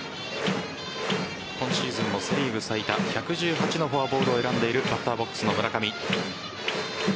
今シーズンのセ・リーグ最多１１８のフォアボールを選んでいるバッターボックスの村上。